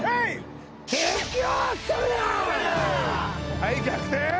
はい逆転！